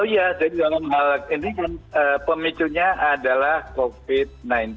oh iya jadi dalam hal ini pemicunya adalah covid sembilan belas